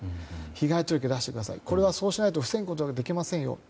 被害届を出してくださいそうしないと防ぐことができませんよと。